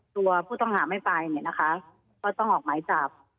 ตัวผู้ต้องหาไม่ไปเนี่ยนะคะก็ต้องออกหมายจับ